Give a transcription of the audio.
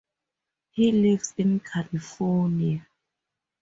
He lives in California.